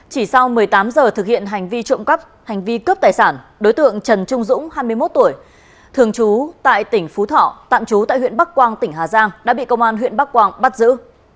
chỉ sau một mươi tám giờ thực hiện hành vi trộm cắp hành vi cướp tài sản đối tượng trần trung dũng hai mươi một tuổi thường trú tại tỉnh phú thọ tạm trú tại huyện bắc quang tỉnh hà giang đã bị công an huyện bắc quang bắt giữ